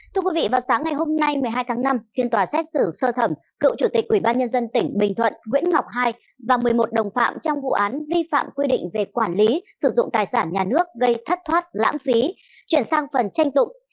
thưa quý vị vào sáng ngày hôm nay một mươi hai tháng năm phiên tòa xét xử sơ thẩm cựu chủ tịch ubnd tỉnh bình thuận nguyễn ngọc hai và một mươi một đồng phạm trong vụ án vi phạm quy định về quản lý sử dụng tài sản nhà nước gây thất thoát lãng phí chuyển sang phần tranh tụng